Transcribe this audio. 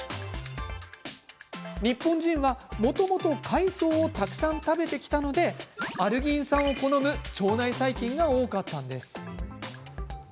日本人は、もともと海藻をたくさん食べてきたのでアルギン酸を好む腸内細菌が多かったんです。